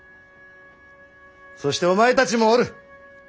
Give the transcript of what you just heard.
そしてお前たちもおる。